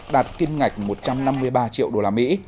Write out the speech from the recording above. đạt kim ngạch một trăm năm mươi ba triệu đô la mỹ